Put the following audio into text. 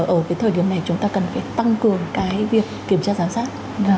ở cái thời điểm này chúng ta cần phải tăng cường cái việc kiểm tra giám sát